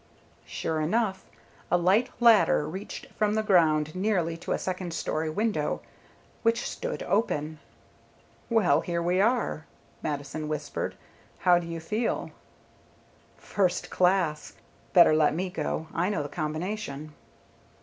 Sure enough, a light ladder reached from the ground nearly to a second story window, which stood open. "Well, here we are," Mattison whispered. "How do you feel?" "First class. Better let me go, I know the combination."